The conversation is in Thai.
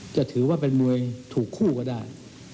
จะถือว่าเป็นมวยถูกคู่ก็ได้